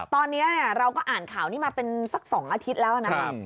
ตอนนี้เราก็อ่านข่าวนี้มาเป็นสัก๒อาทิตย์แล้วนะครับ